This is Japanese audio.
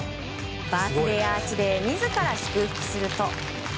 バースデーアーチで自ら祝福すると。